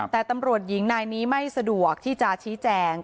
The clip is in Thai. แต่ตำรวจหญิงนายนี้ไม่สะดวกที่จะชี้แจง